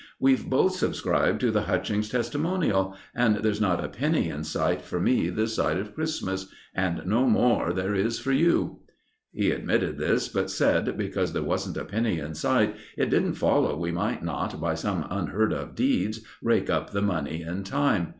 We've both subscribed to the Hutchings' testimonial, and there's not a penny in sight for me this side of Christmas, and no more there is for you." He admitted this, but said, because there wasn't a penny in sight, it didn't follow we might not, by some unheard of deeds, rake up the money in time.